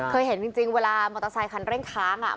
เคยเห็นจริงเวลามอเตอร์ไซคันเร่งค้างอ่ะ